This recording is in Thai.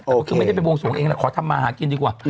แต่ก็คือไม่ได้ไปบวงสวงเองแหละขอทำมาหากินดีกว่า